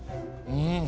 うん。